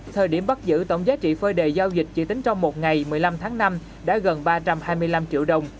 thời điểm bắt giữ tổng giá trị phơi đề giao dịch chỉ tính trong một ngày một mươi năm tháng năm đã gần ba trăm hai mươi năm triệu đồng